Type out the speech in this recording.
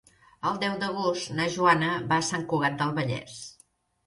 El deu d'agost na Joana va a Sant Cugat del Vallès.